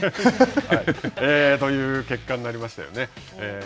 という結果になりましたよね。